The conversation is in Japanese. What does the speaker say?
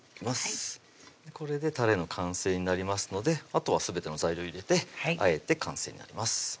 これでたれの完成になりますのであとはすべての材料入れて和えて完成になります